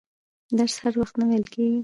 درس هر وخت نه ویل کیږي.